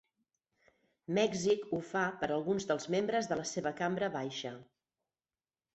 Mèxic ho fa per a alguns dels membres de la seva cambra baixa.